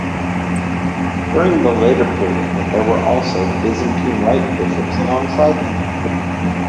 During the later period there were also Byzantine rite bishops alongside them.